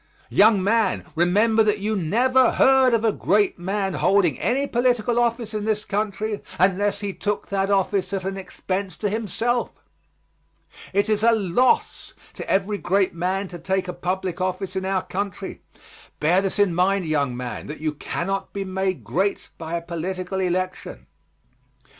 Young man, remember that you never heard of a great man holding any political office in this country unless he took that office at an expense to himself. It is a loss to every great man to take a public office in our country. Bear this in mind, young man, that you cannot be made great by a political election.